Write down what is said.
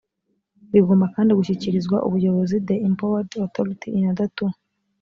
rigomba kandi gushyikirizwa ubuyobozi the empowered authority in order to